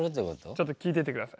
ちょっと聞いてて下さい。